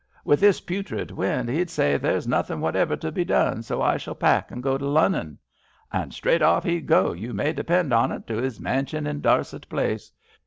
*Wi' this putrid wind,' he'd say, •there's nothin* whatever to be done, so I shall pack and go to Lunnon.' And straight off he'd go, you may depend on't, to his mansion in Darset Place.